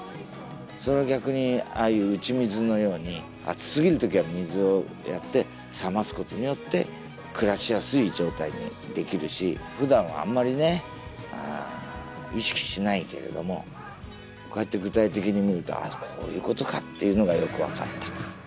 それを逆にああいう打ち水のように暑すぎる時は水をやって冷ますことによって暮らしやすい状態にできるしふだんあんまりね意識しないけれどもこうやって具体的に見るとああこういうことかっていうのがよく分かった。